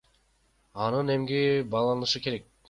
Анын эмгеги бааланышы керек.